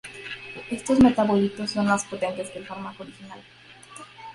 Estos metabolitos son más potentes que el fármaco original.